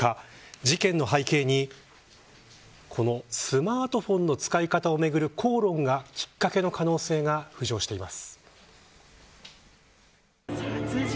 事件の背景にこのスマートフォンの使い方をめぐる口論がきっかけの可能性が浮上しています。